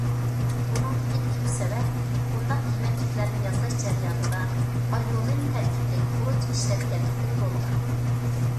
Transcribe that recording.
بۇنىڭدىكى تۈپ سەۋەب، بۇنداق يېمەكلىكلەرنى ياساش جەريانىدا ئاليۇمىن تەركىبلىك خۇرۇچ ئىشلەتكەنلىكىدىن بولغان.